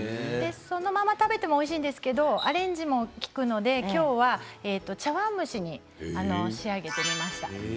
そのまま食べてもおいしいんですけれどアレンジも利くのできょうは茶わん蒸しに仕上げてみました。